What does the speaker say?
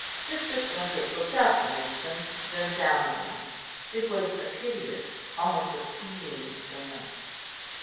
Mistress Winthrop looked up an instant, then down again; it was a piteous, almost a pleading glance.